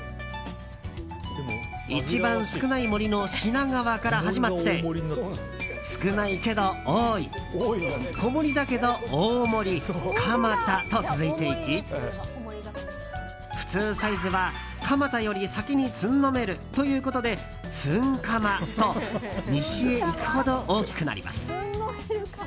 一番少ない盛りの品川から始まって少ないけど大井小盛りだけど大森、蒲田と続いていき普通サイズは蒲田より先につんのめるということでつん蒲と、西へ行くほど大きくなります。